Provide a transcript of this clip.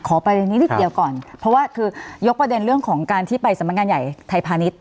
ประเด็นนี้นิดเดียวก่อนเพราะว่าคือยกประเด็นเรื่องของการที่ไปสำนักงานใหญ่ไทยพาณิชย